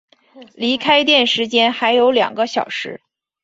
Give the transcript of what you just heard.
离开店时间还有两个小时